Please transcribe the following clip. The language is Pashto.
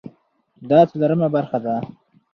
دا څلورمه برخه ده